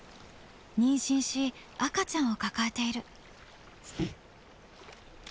妊娠し赤ちゃんを抱えている。